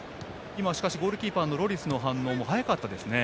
今、ゴールキーパーのロリスの反応も早かったですね。